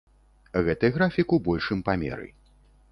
Гэты графік у большым памеры.